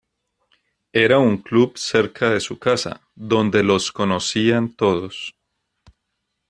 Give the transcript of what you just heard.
Era un club cerca de su casa, donde los conocían todos.